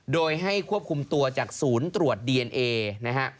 โดยให้ควบคุมตัวจากศูนย์ตรวจดีเอนเอนะฮะ